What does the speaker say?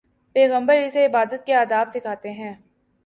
پیغمبر اسے عبادت کے آداب سکھاتے ہیں۔